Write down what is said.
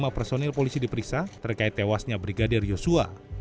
dua puluh lima personil polisi diperiksa terkait tewasnya brigadir yusuf hutabara